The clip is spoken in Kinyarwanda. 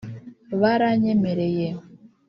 baranyemereye